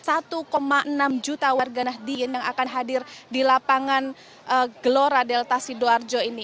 ada satu enam juta warga nahdien yang akan hadir di lapangan gelora delta sidoarjo ini